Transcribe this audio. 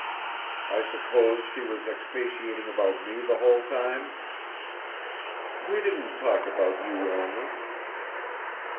"I suppose she was expatiating about me the whole time." "We didn't talk about you only."